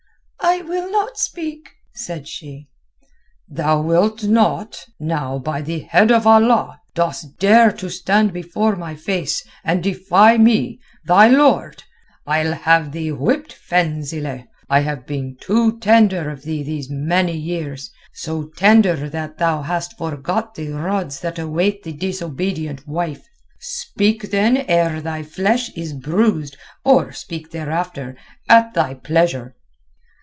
"I will not speak," said she. "Thou wilt not? Now, by the Head of Allah! dost dare to stand before my face and defy me, thy Lord? I'll have thee whipped, Fenzileh. I have been too tender of thee these many years—so tender that thou hast forgot the rods that await the disobedient wife. Speak then ere thy flesh is bruised or speak thereafter, at thy pleasure."